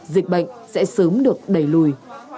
dịch bệnh sẽ sớm được đẩy lùi